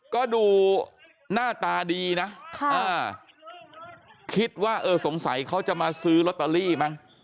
ก็ดูหน้าตาดีนะคิดว่าเออสงสัยเขาจะมาซื้อลอตเตอรี่มั้ง